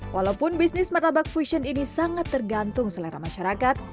walaupun bisnis martabak fusion ini sangat tergantung selera masyarakat